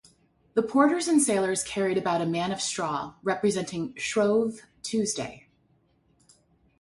The porters and sailors carried about a man of straw representing Shrove Tuesday.